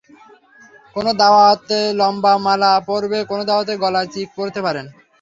কোনো দাওয়াতে লম্বা মালা পরলে, কোনো দাওয়াতে গলায় চিক পরতে পারেন।